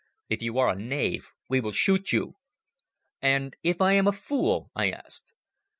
If you are a knave, we will shoot you." "And if I am a fool?" I asked.